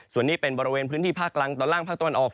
ส่วนนี้เป็นบริเวณพื้นที่ภาคกลางตอนล่างภาคตะวันออก